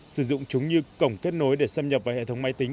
sử dụng chúng như cổng kết nối để xâm nhập vào hệ thống máy tính